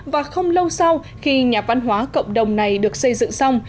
và không lâu sau khi nhà văn hóa cộng đồng này được xây dựng xong